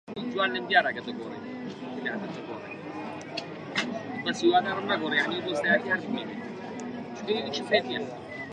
چ چەشنە گۆرانییەک لەم ڕۆژانە بەناوبانگە؟